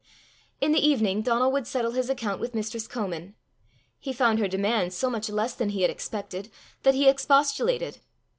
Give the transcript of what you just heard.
In the evening Donal would settle his account with mistress Comin: he found her demand so much less than he had expected, that he expostulated.